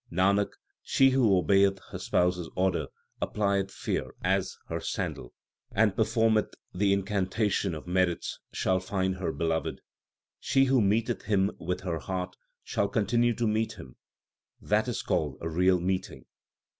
Nanak, she who obeyeth her Spouse s order, applieth fear as her sandal, And performeth the incantation of merits, shall find her Beloved. She who meeteth Him with her heart shall continue to meet Him ; that is called a real meeting.